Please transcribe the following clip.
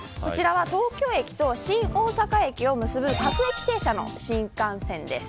東京駅と新大阪駅を結ぶ各駅停車の新幹線です。